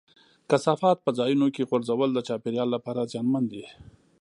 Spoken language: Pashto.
کثافات په ځایونو کې غورځول د چاپېریال لپاره زیانمن دي.